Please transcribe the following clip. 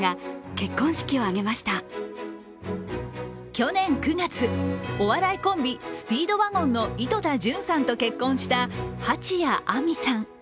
去年９月、お笑いコンビスピードワゴンの井戸田潤さんと結婚した蜂谷晏海さん。